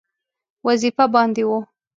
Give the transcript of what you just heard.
وظیفه باندې وو.